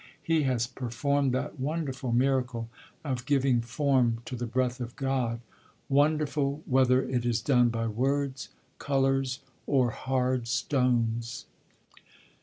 He has performed that wonderful miracle of giving form to the breath of God, wonderful whether it is done by words, colours, or hard stones....